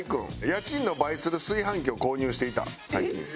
家賃の倍する炊飯器を購入していた最近。